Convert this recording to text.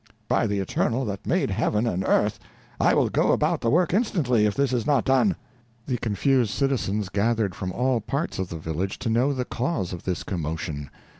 "By the Eternal that made Heaven and earth! I will go about the work instantly, if this is not done!" The confused citizens gathered from all parts of the village, to know the cause of this commotion.